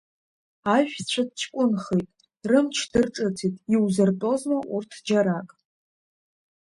Ажәцәа ҷкәынхеит, рымч дырҿыцит, иузыртәозма урҭ џьарак…